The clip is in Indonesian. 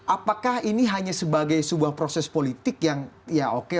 apakah ini hanya sebagai sebuah proses politik yang ya oke